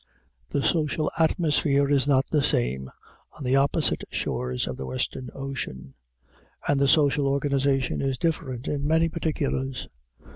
The social atmosphere is not the same on the opposite shores of the Western ocean; and the social organization is different in many particulars.